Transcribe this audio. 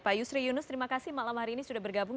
pak yusri yunus terima kasih malam hari ini sudah bergabung